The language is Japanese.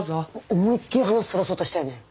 思いっきり話そらそうとしたよね。